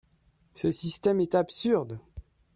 Ce système est absurde